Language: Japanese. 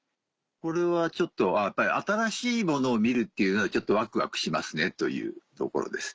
これはやっぱり新しいものを見るっていうのはちょっとワクワクしますねというところです。